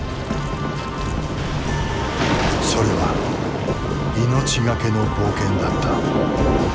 それは命懸けの冒険だった。